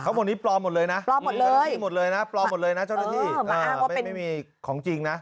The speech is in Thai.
เขาหมดนี้ปลอมหมดเลยนะเจ้าหน้าที่ปลอมหมดเลยนะเจ้าหน้าที่ไม่มีของจริงนะ